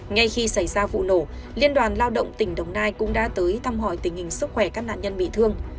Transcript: ngay khi xảy ra vụ nổ liên đoàn lao động tỉnh đồng nai cũng đã tới thăm hỏi tình hình sức khỏe các nạn nhân bị thương